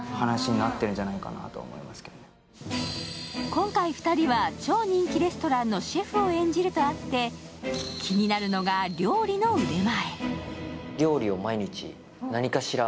今回２人は超人気レストランのシェフを演じるとあって、気になるのが料理の腕前。